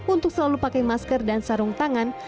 untuk selalu pakai masker dan sarung tangan